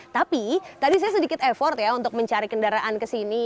tapi tadi saya sedikit effort ya untuk mencari kendaraan kesini